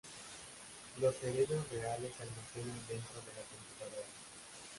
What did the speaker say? Los cerebros reales se almacenan dentro de la computadora.